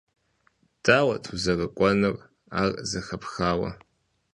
Дауэт узэрыкӀуэнур, ар зэхэпхауэ?..